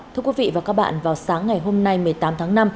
thưa quý vị và các bạn vào sáng ngày hôm nay một mươi tám tháng năm